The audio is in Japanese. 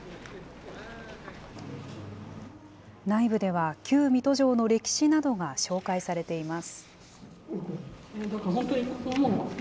内部では、旧水戸城の歴史などが紹介されています。